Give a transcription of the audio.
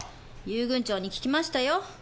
遊軍長に聞きましたよ。